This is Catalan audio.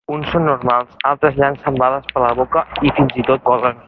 Uns són normals, altres llancen bales per la boca, i fins i tot volen.